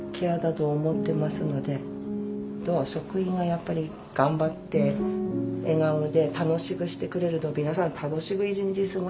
あとは職員がやっぱり頑張って笑顔で楽しくしてくれると皆さん楽しく一日過ごせるんですよね。